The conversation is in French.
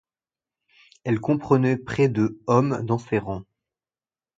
Elle comprenait près de hommes dans ses rangs.